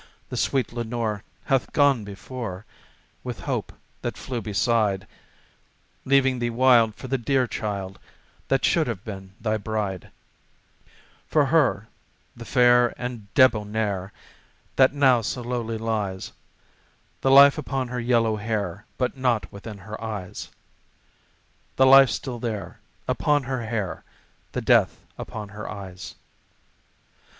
The sweet Lenore hath "gone before," with Hope, that flew beside, Leaving thee wild for the dear child that should have been thy bride For her, the fair and debonair, that now so lowly lies, The life upon her yellow hair but not within her eyes The life still there, upon her hair the death upon her eyes.